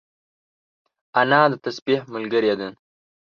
انا د تسبيح ملګرې ده